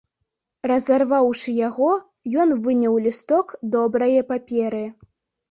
Разарваўшы яго, ён выняў лісток добрае паперы.